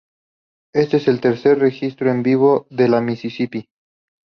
Este es el tercer registro en vivo de La Mississippi.